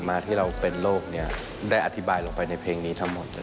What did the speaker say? ที่เราเป็นโลกได้อธิบายลงไปในเพลงนี้ทั้งหมดเลย